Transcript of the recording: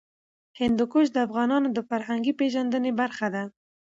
هندوکش د افغانانو د فرهنګي پیژندنې برخه ده.